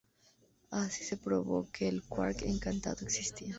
Así se probó que el quark encantado existía.